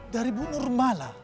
dari bu nurmala